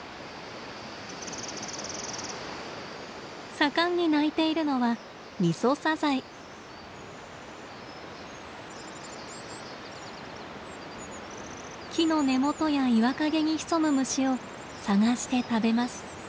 盛んに鳴いているのは木の根元や岩陰に潜む虫を探して食べます。